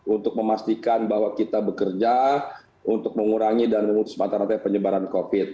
untuk memastikan bahwa kita bekerja untuk mengurangi dan mengutus materatnya penyebaran covid